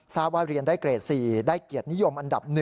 ทราบว่าเรียนได้เกรด๔ได้เกียรตินิยมอันดับ๑